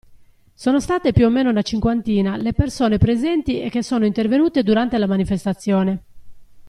Sono state più o meno una cinquantina le persone presenti e che sono intervenute durante la manifestazione.